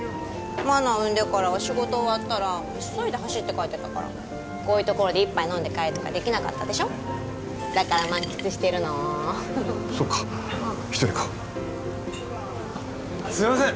茉奈産んでからは仕事終わったら急いで走って帰ってたからこういう所で一杯飲んで帰るとかできなかったでしょだから満喫してるのそっか一人かすいません